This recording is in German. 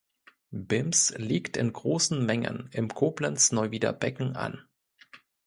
Bims liegt in großen Mengen im Koblenz-Neuwieder Becken an.